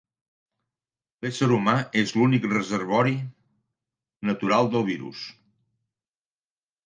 L'ésser humà és l'únic reservori natural del virus.